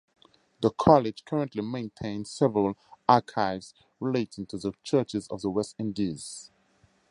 The college currently maintains several archives relating to the churches of the West Indies.